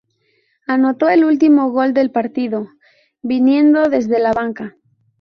Anotó el último gol del partido viniendo desde la banca.